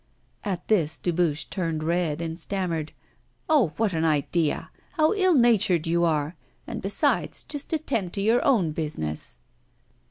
At this Dubuche turned red, and stammered: 'Oh! what an idea! How ill natured you are! And, besides, just attend to your own business.